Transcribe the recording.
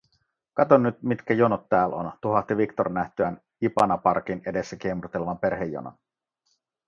“Kato nyt, mitkä jonot tääl on”, tuhahti Victor nähtyään Ipanaparkin edessä kiemurtelevan perhejonon.